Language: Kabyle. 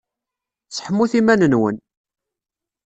Seḥmut iman-nwen!